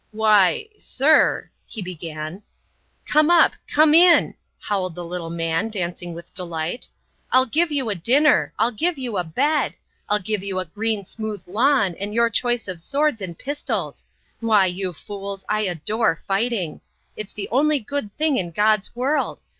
"Why...sir..." he began. "Come up! Come in!" howled the little man, dancing with delight. "I'll give you a dinner. I'll give you a bed! I'll give you a green smooth lawn and your choice of swords and pistols. Why, you fools, I adore fighting! It's the only good thing in God's world!